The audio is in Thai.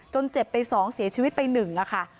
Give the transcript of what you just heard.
เจ็บไป๒เสียชีวิตไป๑ค่ะ